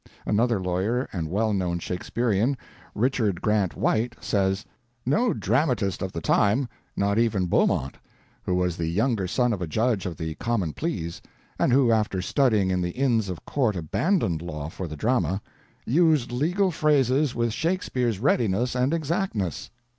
Another lawyer and well known Shakespearean, Richard Grant White, says: "No dramatist of the time, not even Beaumont, who was the younger son of a judge of the Common Pleas, and who after studying in the Inns of Court abandoned law for the drama, used legal phrases with Shakespeare's readiness and exactness.